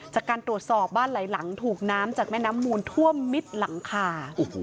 จากการตรวจสอบบ้านหลายหลังถูกน้ำจากแม่น้ำมูลท่วมมิดหลังคา